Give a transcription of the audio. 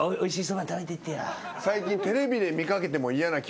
最近。